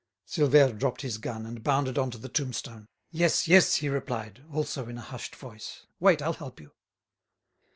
Silvère dropped his gun and bounded on to the tombstone. "Yes, yes," he replied, also in a hushed voice. "Wait, I'll help you."